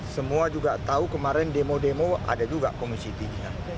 semua juga tahu kemarin demo demo ada juga komisi tiga